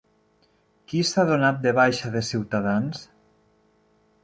Qui s'ha donat de baixa de Ciutadans?